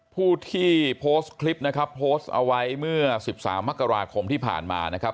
ผู้ที่โพสต์คลิปนะครับโพสต์เอาไว้เมื่อ๑๓มกราคมที่ผ่านมานะครับ